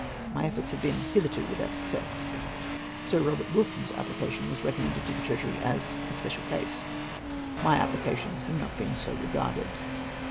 My efforts have been hitherto without success. Sir Eobert Wilson's application was recommended to the Treasury as a " special case.'' My apphcations have not been so regarded.